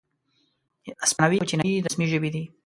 اسپانوي او چینایي رسمي ژبې دي.